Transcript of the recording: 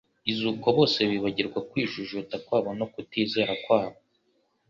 izuko bose bibagirwa kwijujuta kwabo no kutizera kwabo,